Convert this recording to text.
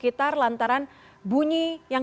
itu sudah digunakan